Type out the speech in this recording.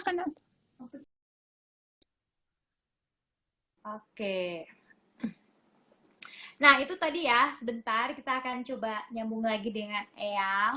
hai oke hai nah itu tadi ya sebentar kita akan coba nyambung lagi dengan eyang